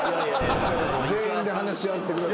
全員で話し合ってください。